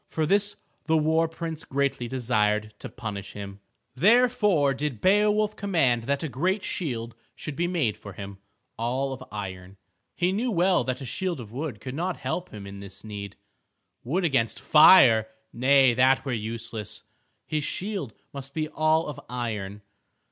For this the war prince greatly desired to punish him. Therefore did Beowulf command that a great shield should be made for him, all of iron. He knew well that a shield of wood could not help him in this need. Wood against fire! Nay, that were useless. His shield must be all of iron.